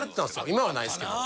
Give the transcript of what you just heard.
今はないですけど。